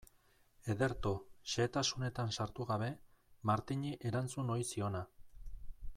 Ederto, xehetasunetan sartu gabe, Martini erantzun ohi ziona.